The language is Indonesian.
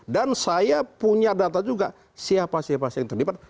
dan saya punya data juga siapa siapa yang terdapat